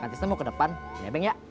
kan tista mau ke depan nebeng ya